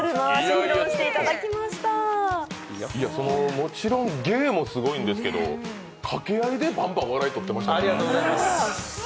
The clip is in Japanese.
もちろん芸もすごいんですけど掛け合いでバンバン笑いとってました。